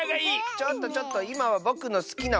ちょっとちょっといまはぼくのすきなおやつのはなし！